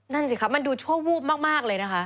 นั่นสิคะมันดูชั่ววูบมากเลยนะคะ